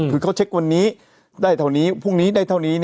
คือเขาเช็ควันนี้ได้เท่านี้พรุ่งนี้ได้เท่านี้